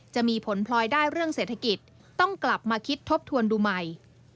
จะมีผลพลอยได้เรื่องเศรษฐกิจต้องกลับมาคิดทบทวนดูใหม่